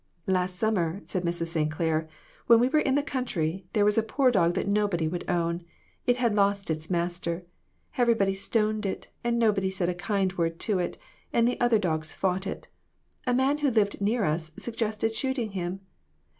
"Last summer," said Mrs. St. Clair, "when we were in the country, there was a poor dog that nobody would own. It had lost its master. Everybody stoned it, and nobody said a kind word to it, and the other dogs fought it. A man who lived near us suggested shooting him.